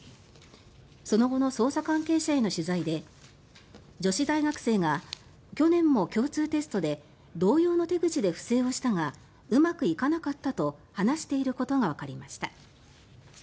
その後の捜査関係者への取材で女子大学生が去年も共通テストで同様の手口で不正をしたがうまくいかなかったと話していることがわかりました。